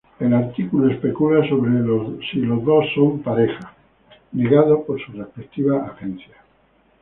El artículo especula sobre si los dos son pareja, negado por sus respectivas agencias.